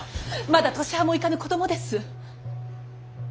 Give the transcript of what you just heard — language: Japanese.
まだ年端も行かぬ子供です。